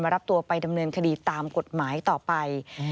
รับตัวไปดำเนินคดีตามกฎหมายต่อไป